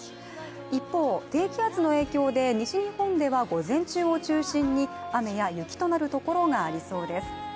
一方、低気圧の影響で西日本では午前中を中心に雨や雪となるところがありそうです。